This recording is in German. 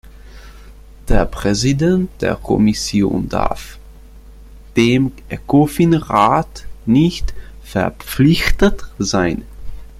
Der Präsident der Kommission darf dem Ecofin-Rat nicht verpflichtet sein.